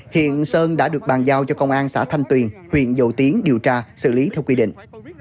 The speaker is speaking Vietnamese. hiện sơn đã được bàn giao cho công an xã thanh tuyền huyện dầu tiến điều tra xử lý theo quy định